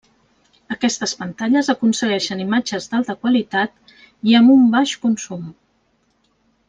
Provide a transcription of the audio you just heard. Aquestes pantalles aconsegueixen imatges d'alta qualitat i amb un baix consum.